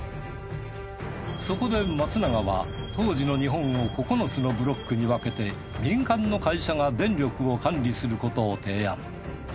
そこで松永は当時の日本を９つのブロックに分けて民間の会社が電力を管理することを提案。